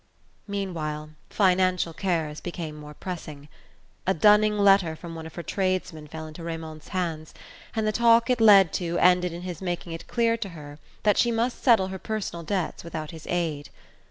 Meanwhile financial cares became more pressing. A dunning letter from one of her tradesmen fell into Raymond's hands, and the talk it led to ended in his making it clear to her that she must settle her personal debts without his aid.